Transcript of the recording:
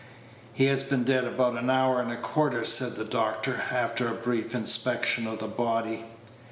"He has been dead about an hour and a quarter," said the doctor, after a brief inspection of the body.